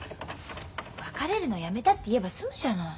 別れるのやめたって言えば済むじゃない。